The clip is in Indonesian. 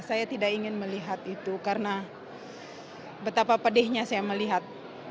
saya tidak ingin melihat itu karena betapa pedihnya saya melihat